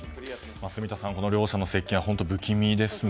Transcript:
住田さん、この両者の接近は本当に不気味ですね。